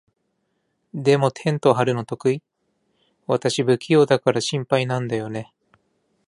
でも、テント張るの得意？私、不器用だから心配なんだよね。